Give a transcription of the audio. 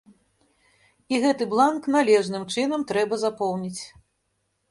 І гэты бланк належным чынам трэба запоўніць.